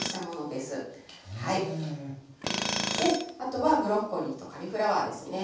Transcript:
であとはブロッコリーとカリフラワーですね。